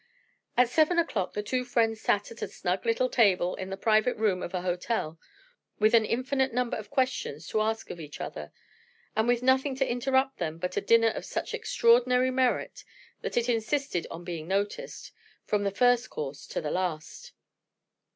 At seven o'clock the two friends sat at a snug little table, in the private room of a hotel, with an infinite number of questions to ask of each other, and with nothing to interrupt them but a dinner of such extraordinary merit that it insisted on being noticed, from the first course to the last.